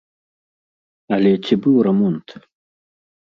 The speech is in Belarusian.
Але ці быў рамонт?